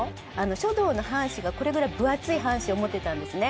書道の半紙がこれぐらい分厚い半紙を持ってたんですね。